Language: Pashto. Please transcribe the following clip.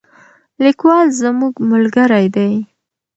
لیکوال زموږ ملګری دی.